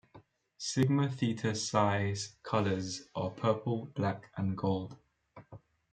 Sigma Theta Psi's colors are purple, black, and gold.